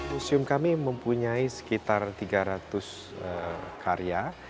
museum kami mempunyai sekitar tiga ratus karya